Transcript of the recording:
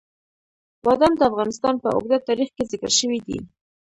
بادام د افغانستان په اوږده تاریخ کې ذکر شوی دی.